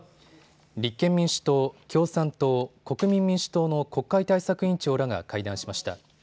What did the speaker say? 立憲民主党、共産党、国民民主党の国会対策委員長らが会談しました。